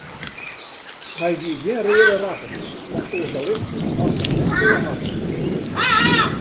Hy wie gjin reade rakkert, fan sosjalisten moast er net folle hawwe.